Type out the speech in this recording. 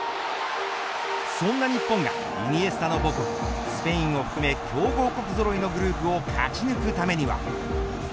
そんな日本がイニエスタの母国スペインを含め強豪国ぞろいのグループを勝ち抜くためには。